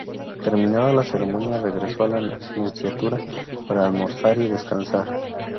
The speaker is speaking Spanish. Terminada la ceremonia regresó a la Nunciatura para almorzar y descansar.